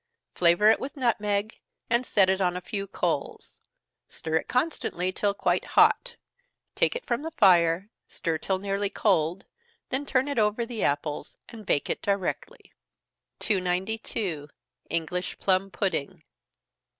Flavor it with nutmeg, and set it on a few coals stir it constantly till quite hot take it from the fire, stir it till nearly cold, then turn it over the apples, and bake it directly. 292. _English Plum Pudding.